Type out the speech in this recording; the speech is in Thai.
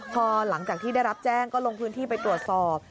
พอหลังจากที่ได้รับแจ้งก็ลงพื้นที่ไปตรวจสอบ